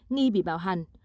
nghi bị bạo hành